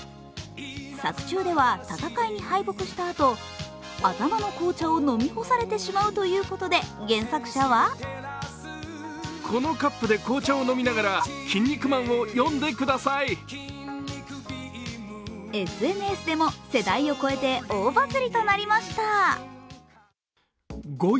作中では、戦いに敗北したあと頭の紅茶を飲み干されてしまうということで原作者はＳＮＳでも、世代を超えて大バズりとなりました。